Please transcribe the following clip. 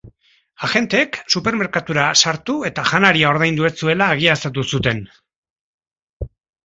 Agenteak supermerkatura sartu eta janaria ordaindu ez zuela egiaztatu zuten.